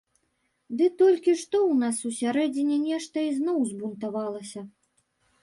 Ды толькі што ў нас усярэдзіне нешта ізноў збунтавалася.